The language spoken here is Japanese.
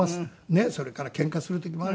それからケンカする時もあるけども。